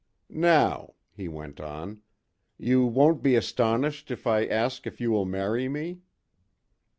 "Now," he went on, "you won't be astonished if I ask if you will marry me?"